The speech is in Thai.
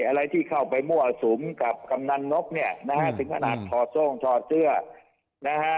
อะไรที่เข้าไปมั่วสุมกับกำนันนกเนี่ยนะฮะถึงขนาดถอดโซ่งถอดเสื้อนะฮะ